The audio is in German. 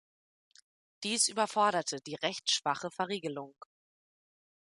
Dies überforderte die recht schwache Verriegelung.